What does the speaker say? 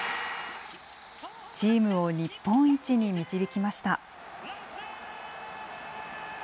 チームを日本一に導きました。